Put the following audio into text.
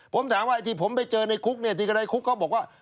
ผมถามว่าที่ผมไปเจอในคุกเนี่ยที่กระดายคุกเขาบอกว่า